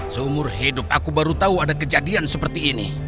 seumur hidup aku baru tahu ada kejadian seperti ini